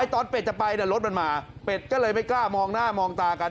เป็ดจะไปรถมันมาเป็ดก็เลยไม่กล้ามองหน้ามองตากัน